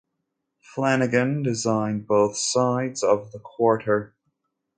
Flanagan designed both sides of the quarter.